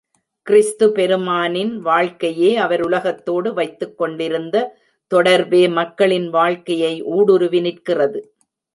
கிறிஸ்து பெருமானின் வாழ்க்கையே அவர் உலகத்தோடு வைத்துக்கொண் டிருந்த தொடர்பே மக்களின் வாழ்க்கையை ஊடுருவி நிற்கிறது.